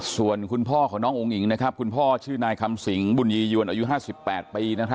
ส่วนคุณพ่อของน้องอุ้งอิ๋งคุณพ่อชื่อนายคำสิงบุญยียวนอายุ๕๘ปี